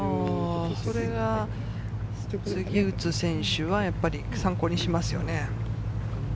それが次打つ選手は参考にしますよね。